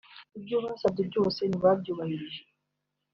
Ibyo basabwe byose ntibabyubahirije